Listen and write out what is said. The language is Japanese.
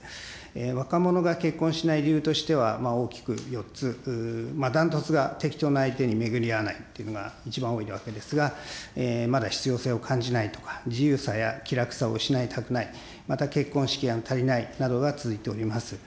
若者が結婚しない理由としては、大きく４つ、断トツが適当な相手に巡り合わないというふうなのが一番多いわけですが、まだ必要性を感じないとか、自由さや気楽さを失いたくない、また結婚資金が足りないなどが続いております。